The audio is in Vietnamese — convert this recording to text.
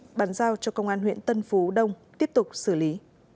nguy trang giao cho công an huyện tân phú đông tiếp tục xử lý